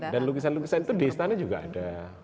dan lukisan lukisan itu di istana juga ada